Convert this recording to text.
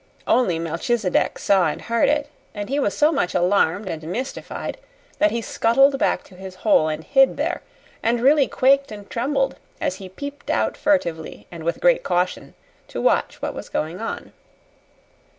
Only Melchisedec saw and heard it; and he was so much alarmed and mystified that he scuttled back to his hole and hid there, and really quaked and trembled as he peeped out furtively and with great caution to watch what was going on.